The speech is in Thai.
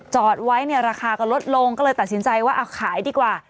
จอดไว้เนี่ยราคาก็ลดลงก็เลยตัดสินใจว่าเอาขายดีกว่า